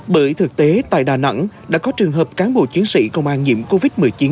bởi thực tế tại đà nẵng đã có trường hợp cán bộ chiến sĩ công an nhiễm covid một mươi chín